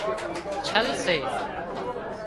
ڇل سي